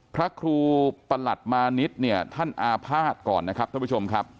พระครูประหลัดมานิดเนี่ยท่านอาภาษณ์ก่อนนะครับท่านผู้ชมครับ